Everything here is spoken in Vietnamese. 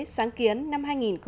sáng kiến năm hai nghìn một mươi sáu